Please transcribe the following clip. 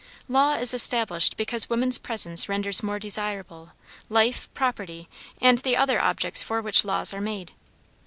Law is established because woman's presence renders more desirable, life, property, and the other objects for which laws are made.